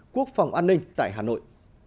quốc phòng an ninh tại hà nội